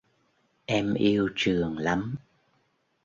Em yêu trường lắm